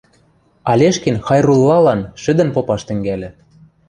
Алешкин Хайруллалан шӹдӹн попаш тӹнгӓльӹ.